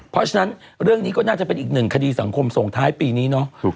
เพราะฉะนั้นเรื่องนี้ก็น่าจะเป็นอีกหนึ่งคดีสังคมส่งท้ายปีนี้เนาะ